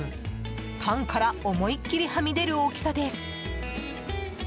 パンから思いきりはみ出る大きさです。